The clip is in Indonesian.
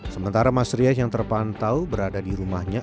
sementara mas riah yang terpantau berada di rumahnya